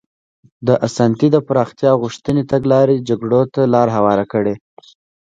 د اسانتي د پراختیا غوښتنې تګلارې جګړو ته لار هواره کړه.